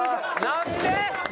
何で！？